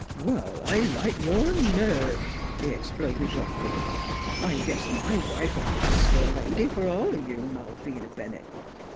" Wall, I like your nerve !" he exploded wrath fully. " I guess my wife '11 pass fer a lady, f'r all o' you, Malvina Bennett.